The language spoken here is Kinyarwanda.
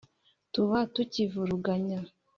Tuba tukivuruganya